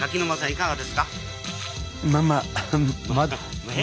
いかがですか？